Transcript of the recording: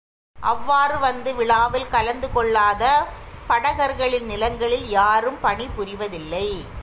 அவ்வாறு வந்து விழாவில் கலந்து கொள்ளாத படகர்களின் நிலங்களில் யாரும் பணி புரிவதில்லை.